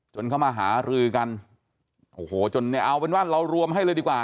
เข้ามาหารือกันโอ้โหจนเนี่ยเอาเป็นว่าเรารวมให้เลยดีกว่า